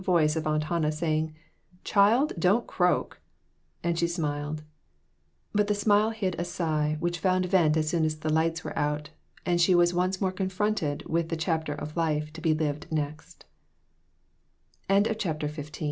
voice of Aunt Hannah saying, " Child, don't croak !" and she smiled. But the smile hid a sigh which found vent as soon as the lights were out, and she was once more confronted with the chap ter of lif